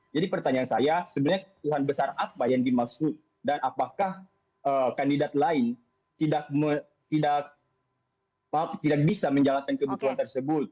jadi pertanyaan saya sebenarnya kebutuhan besar apa yang dimaksud dan apakah kandidat lain tidak bisa menjalankan kebutuhan tersebut